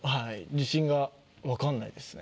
自信が分かんないですね。